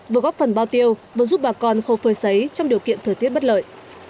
vừa góp phần bao tiêu vừa giúp bà con khâu phơi xấy trong điều kiện thời tiết bất lợi